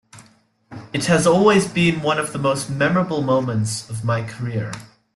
It has always been one of the most memorable moments of my career.